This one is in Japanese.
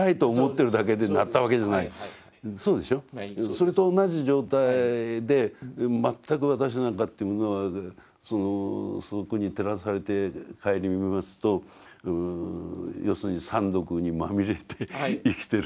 それと同じ状態で全く私なんかというものはそこに照らされて省みますと要するに三毒にまみれて生きてる。